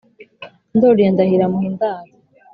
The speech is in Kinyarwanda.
Ndoli ya Ndahiro amuha indaro